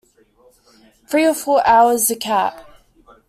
Three or four hours — the cat.